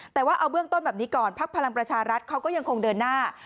แต่ว่าเอาเบื้องต้นแบบนี้ก่อนพักพลังประชารัฐเขาก็ยังคงเดินหน้า